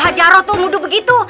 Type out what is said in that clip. bu haja rod itu nuduh begitu